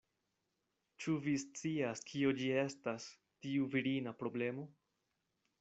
Ĉu vi scias, kio ĝi estas, tiu virina problemo?